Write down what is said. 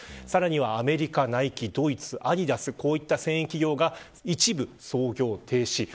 さらにやアメリカのナイキドイツのアディダスこういった繊維企業が一部操業停止。